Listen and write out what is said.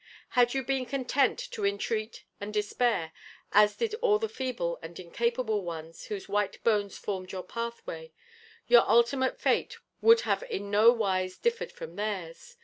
Had you been content to entreat and despair, as did all the feeble and incapable ones whose white bones formed your pathway, your ultimate fate would have in no wise differed from theirs.